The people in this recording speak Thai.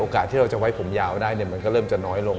ที่เราจะไว้ผมยาวได้มันก็เริ่มจะน้อยลง